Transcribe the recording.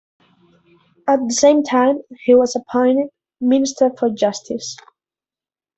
At the same time, he was appointed Minister for Justice.